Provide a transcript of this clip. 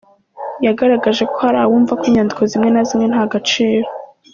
Yagaragaje ko hari abumva ko inyandiko zimwe na zimwe nta gaciro.